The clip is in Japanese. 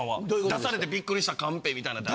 出されてびっくりしたカンペみたいなんない？